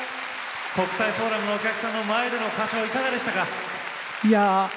国際フォーラムのお客さんの前での歌唱いかがでしたか。